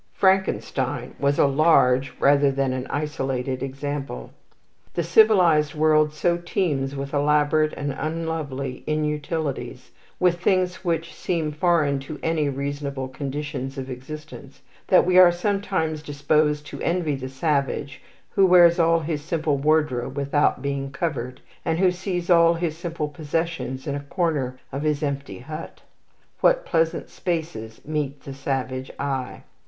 Frankenstein was a large rather than an isolated example. The civilized world so teems with elaborate and unlovely inutilities, with things which seem foreign to any reasonable conditions of existence, that we are sometimes disposed to envy the savage who wears all his simple wardrobe without being covered, and who sees all his simple possessions in a corner of his empty hut. What pleasant spaces meet the savage eye!